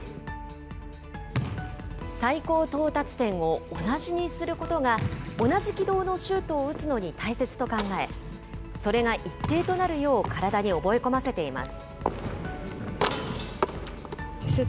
最高到達点を同じにすることが、同じ軌道のシュートを打つのに大切と考え、それが一定となるよう体に覚え込ませています。